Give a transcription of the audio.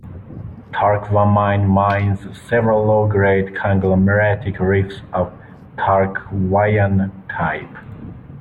Tarkwa Mine mines several low-grade conglomeratic "reefs" of Tarkwaian type.